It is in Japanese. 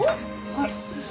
はい。